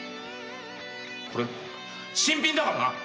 これ新品だからな！